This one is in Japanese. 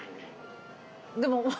でも。